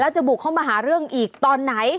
จะบุกเข้ามาหาเรื่องอีกตอนไหน